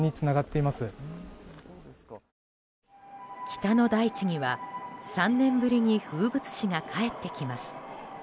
北の大地には、３年ぶりに風物詩が帰ってきます。